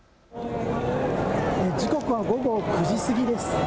時刻は午後９時過ぎです。